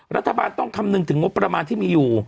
รัฐบาลต้องคำนึงถึงงบประมาณที่มีอยู่